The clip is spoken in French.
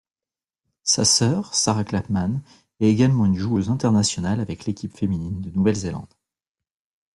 Sa sœur Sara Clapham, est également une joueuse internationale avec l'équipe féminine de Nouvelle-Zélande.